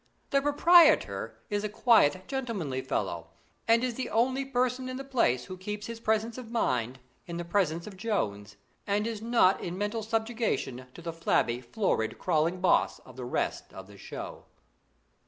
The proprietor is a quiet, gentlemanly fellow, and is the only person in the place who keeps his presence of mind in the presence of Jones, and is not in mental subjugation to the flabby, florid, crawling boss of the rest of the show.